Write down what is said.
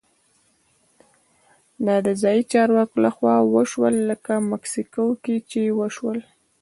دا د ځايي چارواکو لخوا وشول لکه مکسیکو کې چې وشول.